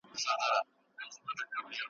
د افغان په نوم لیکلی بیرغ غواړم ,